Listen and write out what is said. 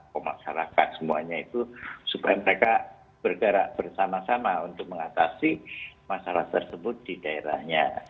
pemasarakat semuanya itu supaya mereka bergerak bersama sama untuk mengatasi masalah tersebut di daerahnya